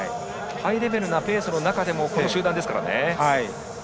ハイレベルなペースの中でもこの集団ですからね。